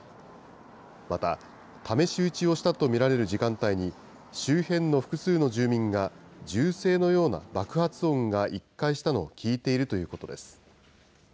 また、試し撃ちをしたと見られる時間帯に、周辺の複数の住民が、銃声のような爆発音が１回したのを聞いているということです。